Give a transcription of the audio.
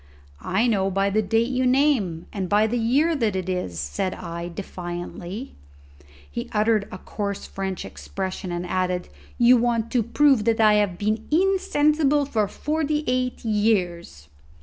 "I know by the date you name and by the year that this is," said I defiantly. He uttered a coarse French expression and added, "You want to prove that I have been insensible for forty eight years."